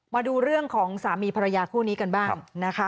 มาดูเรื่องของสามีภรรยาคู่นี้กันบ้างนะคะ